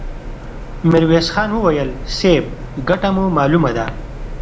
ميرويس خان وويل: صيب! ګټه مو مالومه ده!